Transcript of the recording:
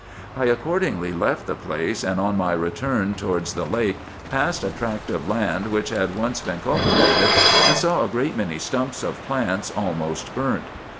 I accordingly left the place, and on my return towards the lake passed a tract of land which had once been cultivated, and saw a great many stumps of plants almost burnt.